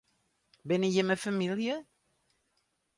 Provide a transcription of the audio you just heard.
Binne jimme famylje?